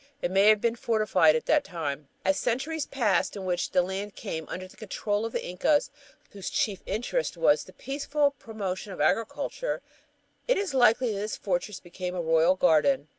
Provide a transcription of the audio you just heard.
It may have been fortified at that time. As centuries passed in which the land came under the control of the Incas, whose chief interest was the peaceful promotion of agriculture, it is likely that this fortress became a royal garden.